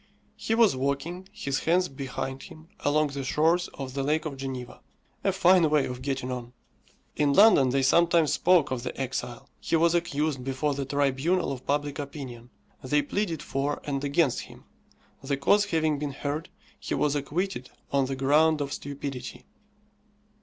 He was walking, his hands behind him, along the shores of the Lake of Geneva. A fine way of getting on! In London they sometimes spoke of the exile. He was accused before the tribunal of public opinion. They pleaded for and against him. The cause having been heard, he was acquitted on the ground of stupidity.